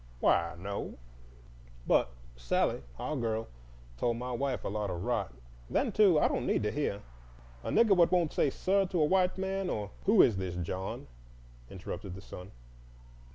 "Why, no,—but Sally, our girl, told my wife a lot of rot. Then, too, I don't need to heah: a Nigger what won't say 'sir' to a white man, or—" "Who is this John?" interrupted the son.